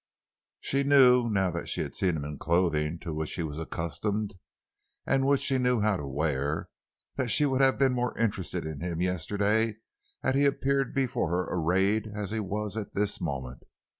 She knew, now that she had seen him in clothing to which he was accustomed, and which he knew how to wear, that she would have been more interested in him yesterday had he appeared before her arrayed as he was at this moment.